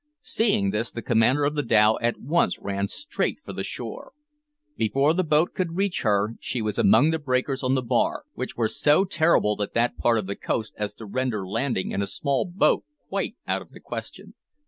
Seeing this, the commander of the dhow at once ran straight for the shore. Before the boat could reach her she was among the breakers on the bar, which were so terrible at that part of the coast as to render landing in a small boat quite out of the question.